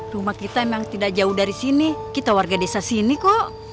rumah kita memang tidak jauh dari sini kita warga desa sini kok